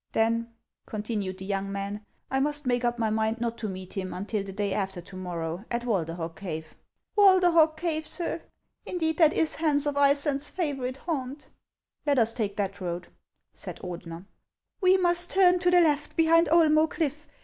" Then," continued the young man, " I must make up my mind not to meet him until the day after to morrow at Walderhog cave." "Walderhog cave, sir! Indeed, that is Hans of Ice laud's favorite haunt." " Let us take that road," said Ordener. " We must turn to the left, behind Oelmoe cliff.